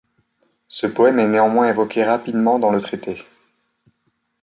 Ce poème est néanmoins évoqué rapidement dans le traité.